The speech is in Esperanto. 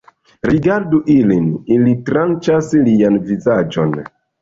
Rigardu ilin, ili tranĉas lian vizaĝon